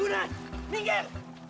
tidak bisa tidak boleh